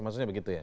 maksudnya begitu ya